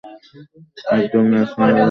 একদম ন্যাচারাল এবং সুন্দর ছিল।